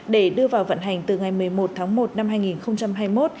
để đưa vào vận hành từ ngày một mươi một tháng một năm hai nghìn hai mươi một